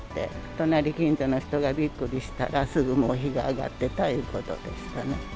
隣近所の人がびっくりしたら、すぐもう火が上がってたということですかね。